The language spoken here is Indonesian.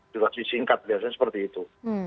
juga disingkat biasanya seperti itu